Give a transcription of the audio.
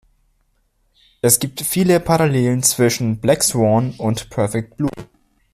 Es gibt viele Parallelen zwischen „Black Swan“ und „Perfect Blue“.